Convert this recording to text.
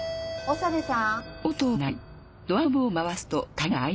長部さん！